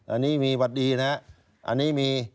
อันนี้มีบัตรดีนะอันนี้มี